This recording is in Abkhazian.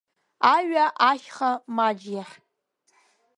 Аҩа Ашьха Маџь иахь.